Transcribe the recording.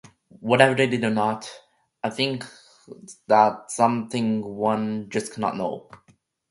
Whether they did or not, I think that is something one just cannot know.